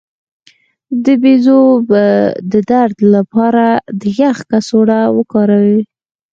د بیضو د درد لپاره د یخ کڅوړه وکاروئ